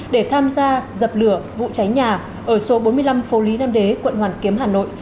để tham gia dập lửa vụ cháy nhà ở số bốn mươi năm phố lý nam đế quận hoàn kiếm hà nội